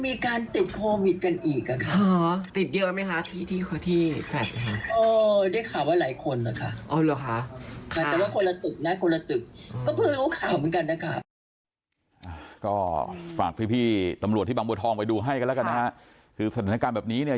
ผู้ชายทั้ง๒คนท่าทางก็อายุก็ไม่ใช่เด็กวัยรุ่นเลยค่ะ